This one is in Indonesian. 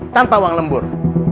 tanpa uang lembur